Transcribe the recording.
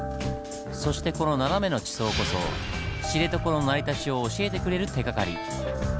そしてこの斜めの地層こそ知床の成り立ちを教えてくれる手がかり。